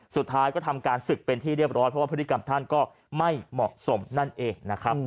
สุดท้ายก็ทำการศึกเป็นที่เรียบร้อยเพราะว่าพฤติกรรมท่านก็ไม่เหมาะสมนั่นเองนะครับ